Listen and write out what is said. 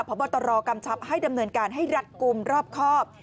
พบตรกำชับให้ดำเนินการให้รัฐกลุ่มรอบครอบ